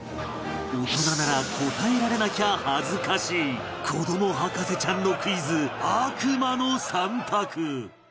大人なら答えられなきゃ恥ずかしい子ども博士ちゃんのクイズ悪魔の３択